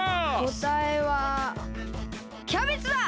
こたえはキャベツだ！